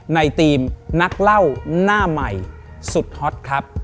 ในทีมนักเล่าหน้าใหม่สุดฮอตครับ